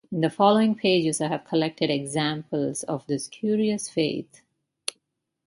In the following pages I have collected examples of this curious faith.